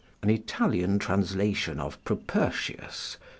An Italian translation of Propertius, ii.